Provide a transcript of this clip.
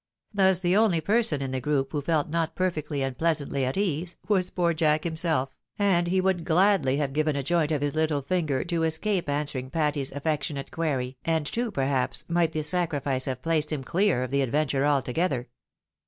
Thus the only person in the group who felt not perfectly and pleasantly at ease, was poor Jack him p2 244 THE WIDOW MAEEIED. self, and he would gladly have given a joint of his Kttle finger to escape answering Patty's affectionate query, and two, per haps, might the sacrifice have pla, oed him clear of the adventure altogether.